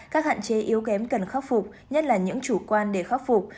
các hạn chế yếu kém cần khắc phục nhất là những chủ quan để khắc phục